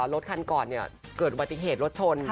รถคันก่อนเนี่ยเกิดปฏิเสธรถชน